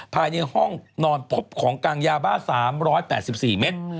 ภายในห้องนอนพบของกลางยาบ้า๓๘๔เมตร